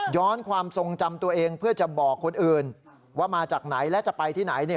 ความทรงจำตัวเองเพื่อจะบอกคนอื่นว่ามาจากไหนและจะไปที่ไหน